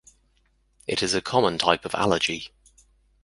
It is a common type of allergy.